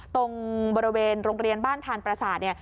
ตรงบริเวณโรงเรียนบ้านธานปราศาสตร์